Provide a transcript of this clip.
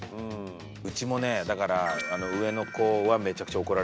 うちもねだから上の子はめちゃくちゃ怒られるんですよ。